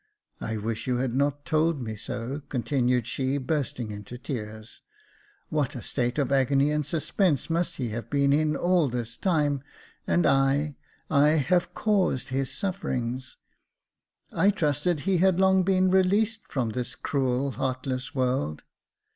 I wish you had not told me so," continued she, burst ing into tears j " what a state of agony and suspense must 426 Jacob Faithful he have been in all this time, and I — I have caused his sufferings ! I trusted he had long been released from this cruel, heartless world."